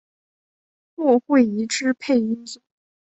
骆慧怡之配音组。